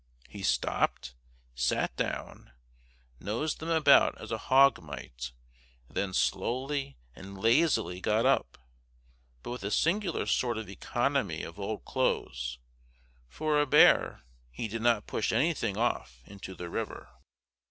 He stopped, sat down, nosed them about as a hog might, and then slowly and lazily got up; but with a singular sort of economy of old clothes, for a bear, he did not push anything off into the river.